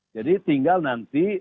jadi tinggal nanti